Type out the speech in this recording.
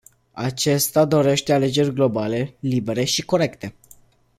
Aceasta dorește alegeri globale, libere și corecte.